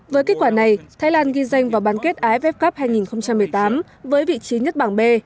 với kết quả này thái lan ghi danh vào bán kết aff cup hai nghìn một mươi tám với vị trí nhất bảng b